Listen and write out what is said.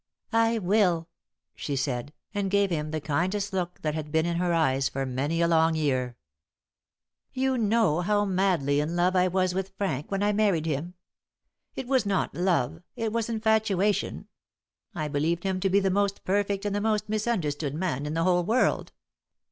"I will," she said, and gave him the kindest look that had been in her eyes for many a long year. "You know how madly in love I was with Frank when I married him. It was not love, it was infatuation I believed him to be the most perfect and the most misunderstood man in the whole world.